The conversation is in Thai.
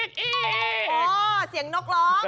โอ้โหเสียงนกร้อง